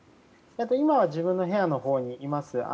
今は自分の部屋のほうにいます。